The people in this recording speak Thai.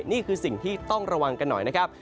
นี่คือสิ่งที่ต้องระวังกันหน่อยนะครับ